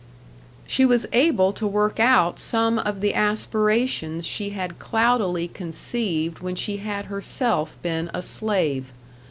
She was able to work out some of the aspirations she had cloudily conceived when she had herself been a slave.